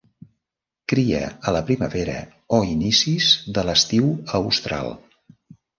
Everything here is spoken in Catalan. Cria a la primavera o inicis de l'estiu austral.